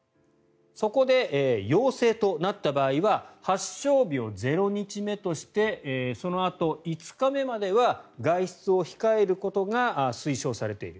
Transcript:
そこで陽性となった場合は発症日を０日目としてそのあと５日目までは外出を控えることが推奨されている。